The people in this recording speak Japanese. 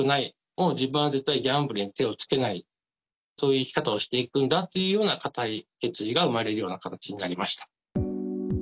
自分は絶対ギャンブルに手をつけないそういう生き方をしていくんだっていうような固い決意が生まれるような形になりました。